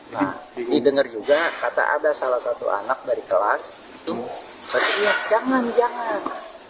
nah didengar juga kata ada salah satu anak dari kelas itu pasti ingat jangan jangan